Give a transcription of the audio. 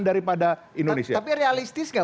daripada tapi realistis gak